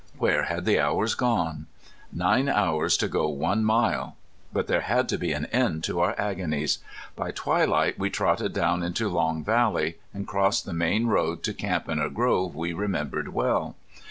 Where had the hours gone? Nine hours to go one mile! But there had to be an end to our agonies. By twilight we trotted down into Long Valley, and crossed the main road to camp in a grove we remembered well.